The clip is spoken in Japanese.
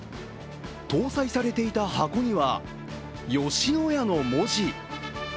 搭載されていた箱には、吉野家の文字。